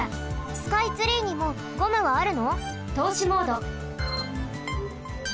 スカイツリーにもゴムはあるの？とうしモード。